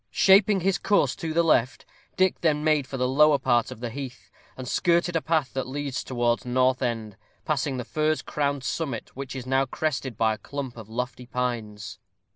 Shaping his course to the left, Dick then made for the lower part of the heath, and skirted a path that leads towards North End, passing the furze crowned summit which is now crested by a clump of lofty pines.